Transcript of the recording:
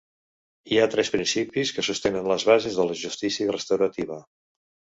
Hi ha tres principis que sostenen les bases de la justícia restaurativa.